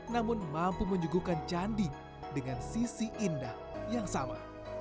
namun mampu menyuguhkan candi dengan sisi indah yang sama